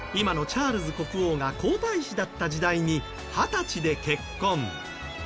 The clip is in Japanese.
今のチャールズ国王が皇太子だった時代に二十歳で結婚。